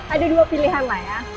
ada dua pilihan lah ya